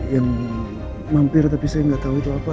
yang mampir tapi saya nggak tahu itu apa